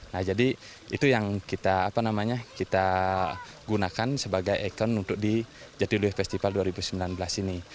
nah jadi itu yang kita gunakan sebagai ikon untuk di jatiluf festival dua ribu sembilan belas ini